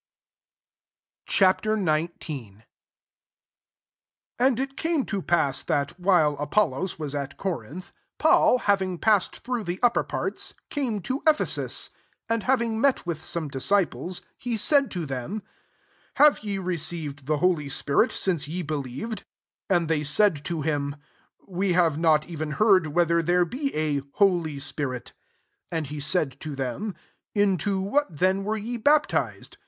Ch. XIX. 1 And it came to pass that, while Apollos wa9.st Corinth, Paul, having passed through the upper parts, came to Ephesus: and having met with some disciples, 2 he said to them, "Have ye received the holy spirit since ye belier^ ACTS XIX. $as d V^ And they [said] to him, We have nat even heard whether there be a holy spirit." And he said [to themi\ *« Into rhat then were ye baptized